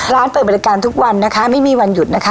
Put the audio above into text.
เปิดบริการทุกวันนะคะไม่มีวันหยุดนะคะ